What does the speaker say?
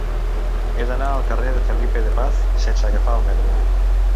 He d'anar al carrer de Felipe de Paz sense agafar el metro.